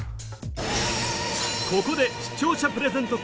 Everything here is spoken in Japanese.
ここで視聴者プレゼント